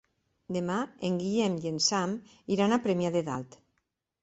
Demà en Guillem i en Sam iran a Premià de Dalt.